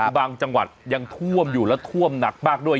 คือบางจังหวัดยังท่วมอยู่และท่วมหนักมากด้วย